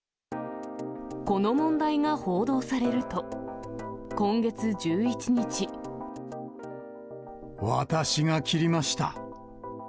この問題が報道されると、私が切りました。